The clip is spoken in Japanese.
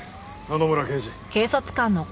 野々村刑事。